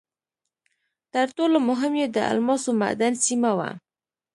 تر ټولو مهم یې د الماسو معدن سیمه وه.